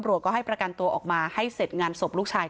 พระเจ้าที่อยู่ในเมืองของพระเจ้า